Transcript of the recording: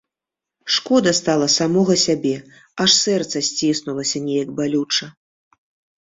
Шкода стала самога сябе, аж сэрца сціснулася неяк балюча.